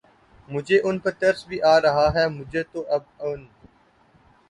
مجھے ان پر ترس بھی آ رہا ہے، مجھے تو اب ان